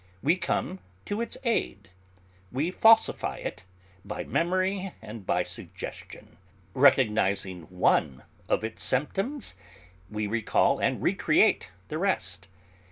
We come to its aid; we falsify it by memory and by suggestion; recognising one of its symptoms we recall and recreate the rest.